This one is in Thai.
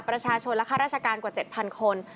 ประชาชนและข้าราชการกว่า๗๐๐คน